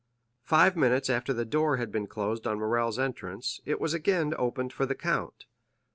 Five minutes after the door had been closed on Morrel's entrance, it was again opened for the count.